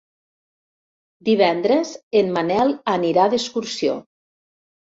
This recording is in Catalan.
Divendres en Manel anirà d'excursió.